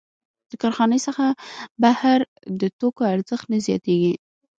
د کارخانې څخه بهر د توکو ارزښت نه زیاتېږي